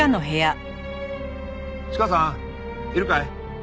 チカさんいるかい？